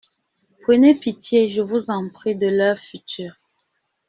Prenez pitié, je vous en prie, de leur futur.